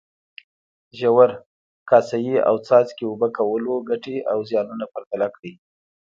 ژور، کاسه یي او څاڅکي اوبه کولو ګټې او زیانونه پرتله کړئ.